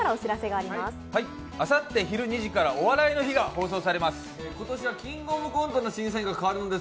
あさって昼２時から「お笑いの日」が放送されます。